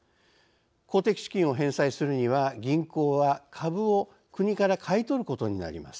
公的資金を返済するには銀行は株を国から買い取ることになります。